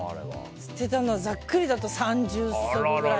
捨てたのはざっくりだと３０足ぐらい。